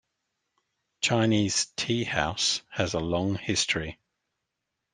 Chinese tea house has a long history.